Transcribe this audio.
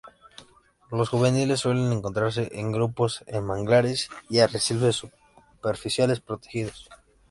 Los juveniles suelen encontrarse en grupos, en manglares y arrecifes superficiales protegidos.